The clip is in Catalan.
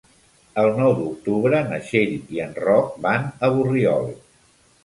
El nou d'octubre na Txell i en Roc van a Borriol.